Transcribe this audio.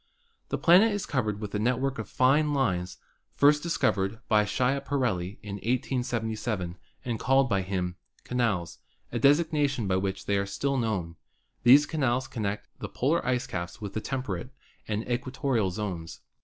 The planet is covered with a network of fine lines, first discovered by Schiaparelli in 1877 and called by him "canals," a designation by which they are still known. These canals connect the polar caps with the temperate and equatorial zones.